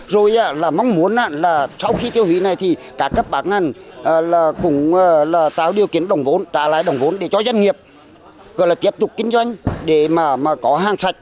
rồi mong muốn sau khi tiêu hủy này thì các cấp bán ngân cũng tạo điều kiến đồng vốn trả lại đồng vốn để cho doanh nghiệp tiếp tục kinh doanh để có hàng sạch